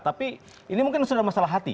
tapi ini mungkin sudah masalah hati